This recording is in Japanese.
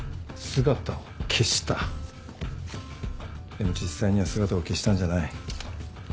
でも実際には姿を消したんじゃない。